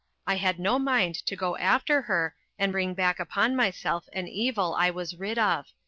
I had no mind to go after her and bring back upon myself an evil I was rid of.